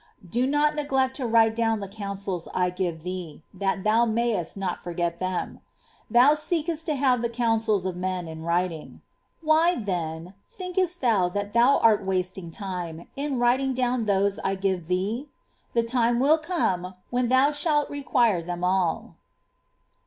Do not neglect to write down the counsels I give thee, that thou mayest not forget them. Thou seekest to have the counsels of men in writing ; why, then, thinkest thou that thou art wasting time in writing down those I give thee ? The time will come when thou shalt require them all."